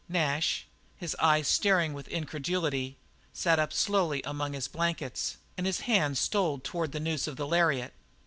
Nash, his eyes staring with incredulity, sat up slowly among his blankets and his hand stole up toward the noose of the lariat.